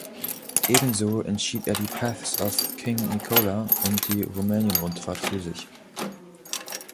Ebenso entschied er die Paths of King Nikola und die Rumänien-Rundfahrt für sich.